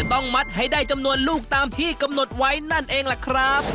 ต้องมัดให้ได้จำนวนลูกตามที่กำหนดไว้นั่นเองล่ะครับ